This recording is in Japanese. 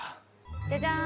ジャジャン。